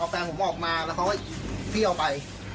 แล้วเขาก็บอกว่าเอาแฟนผมออกมาแล้วเขาก็พี่เอาไป